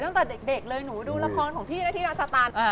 ตั้งแต่เด็กหนูดูละครของพี่ที่ราชศาตาล